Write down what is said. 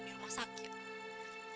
di rumah sakit